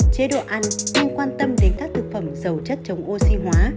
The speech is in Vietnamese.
chế độ ăn không quan tâm đến các thực phẩm dầu chất chống oxy hóa